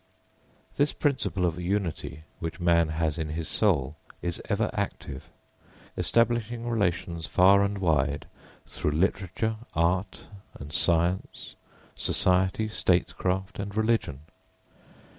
This principal of unity which man has in his soul is ever active, establishing relations far and wide through literature, art, and science, society, statecraft, and religion.